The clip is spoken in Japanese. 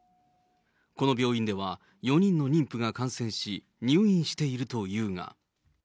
この病院では４人の妊婦が感染し、入院しているというが。